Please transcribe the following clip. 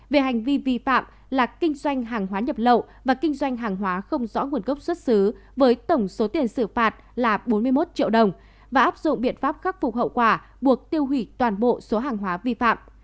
về hành vi vi phạm là kinh doanh hàng hóa nhập lậu và kinh doanh hàng hóa không rõ nguồn gốc xuất xứ với tổng số tiền xử phạt là bốn mươi một triệu đồng và áp dụng biện pháp khắc phục hậu quả buộc tiêu hủy toàn bộ số hàng hóa vi phạm